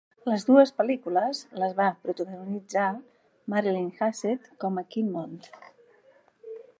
Les dues pel·lícules les va protagonitzar Marilyn Hassett com a Kinmont.